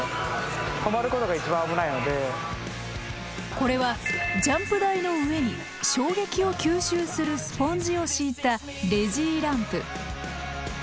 これはジャンプ台の上に衝撃を吸収するスポンジを敷いたレジーランプ。